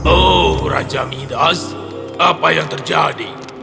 oh raja midas apa yang terjadi